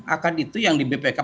akad itu yang di bpk